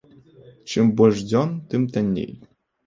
Чым больш дзён, тым танней.